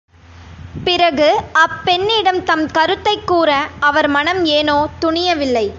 பிறகு அப் பெண்ணிடம் தம் கருத்தைக் கூற அவர் மனம் ஏனோ துணியவில்லை!